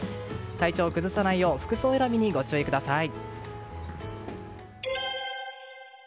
体調を崩さないよう服装選びにご注意ください。